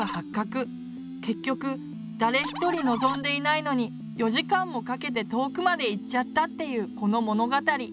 結局誰一人望んでいないのに４時間もかけて遠くまで行っちゃったっていうこの物語。